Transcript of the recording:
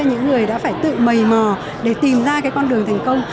những người đã phải tự mầy mò để tìm ra cái con đường thành công